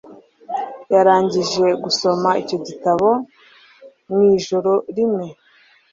yarangije gusoma icyo gitabo mu ijoro rimwe